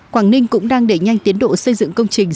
quảng ninh cũng đang đẩy nhanh tiến độ xây dựng công trình